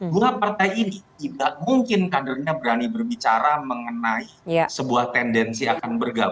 dua partai ini tidak mungkin kadernya berani berbicara mengenai sebuah tendensi akan bergabung